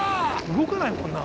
動かないもんな。